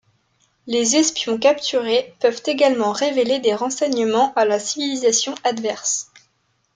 Les espions capturés peuvent également révéler des renseignements à la civilisation adverse.